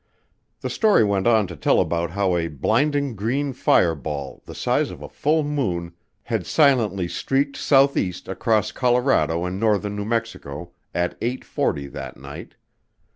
The story went on to tell about how a "blinding green" fireball the size of a full moon had silently streaked southeast across Colorado and northern New Mexico at eight forty that night.